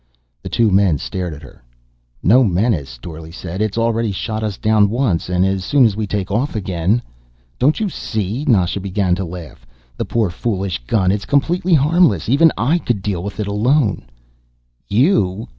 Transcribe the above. The two men stared at her. "No menace?" Dorle said. "It's already shot us down once. And as soon as we take off again " "Don't you see?" Nasha began to laugh. "The poor foolish gun, it's completely harmless. Even I could deal with it alone." "You?"